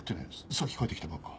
さっき帰ってきたばっか。